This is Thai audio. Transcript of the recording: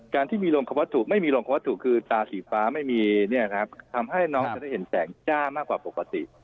การที่มีลงกับวัตถุไม่มีลงของวัตถุคือตาสีฟ้าไม่มีเนี่ยครับทำให้น้องจะได้เห็นแสงจ้ามากกว่าปกติ